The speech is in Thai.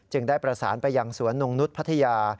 ได้ประสานไปยังสวนนงนุษย์พัทยา